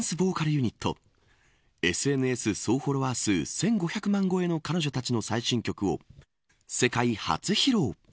ユニットＳＮＳ総フォロワー数１５００万超えの彼女たちの最新曲を世界初披露。